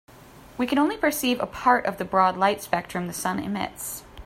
We can only perceive a part of the broad light spectrum the sun emits.